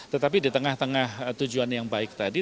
tetapi di tengah tengah tujuan yang baik tadi